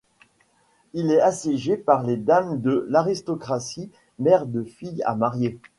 Il est assiégé par les dames de l'aristocratie, mères de filles à marier.